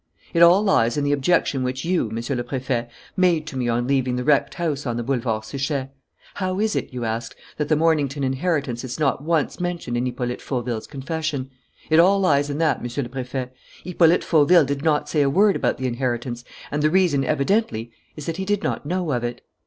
"It all lies in the objection which you, Monsieur le Préfet, made to me on leaving the wrecked house on the Boulevard Suchet: 'How is it,' you asked, 'that the Mornington inheritance is not once mentioned in Hippolyte Fauville's confession?' It all lies in that, Monsieur le Préfet. Hippolyte Fauville did not say a word about the inheritance; and the reason evidently is that he did not know of it.